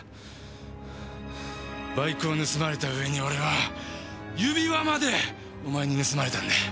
バイクを盗まれた上に俺は指輪までお前に盗まれたんだ。